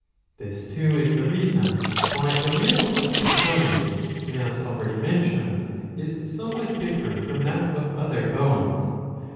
This too is the reason why the marrow of the chine, as already mentioned, is somewhat different from that of other bones.